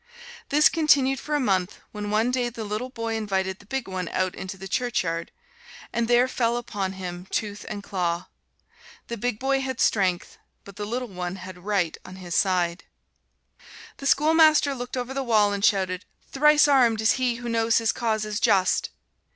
This continued for a month, when one day the little boy invited the big one out into the churchyard and there fell upon him tooth and claw. The big boy had strength, but the little one had right on his side. The schoolmaster looked over the wall and shouted, "Thrice armed is he who knows his cause is just!"